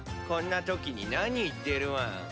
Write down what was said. こんなときに何言ってるワン。